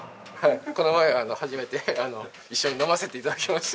この前初めて一緒に飲ませて頂きまして。